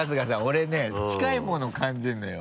俺ね近いものを感じるのよ。